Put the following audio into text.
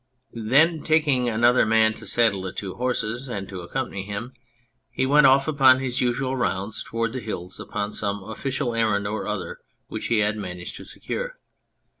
Then taking another man to saddle the two horses and to accompany him, he went off upon his usual round towards the hills, upon some official errand or other which he had managed to secure.